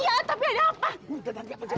ya tapi ada